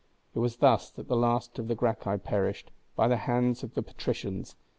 It was thus that the last of the Gracchi perished, by the hands of the Patricians.